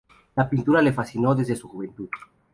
La pintura le fascinó desde su juventud.